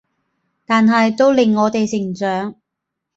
但係都令我哋成長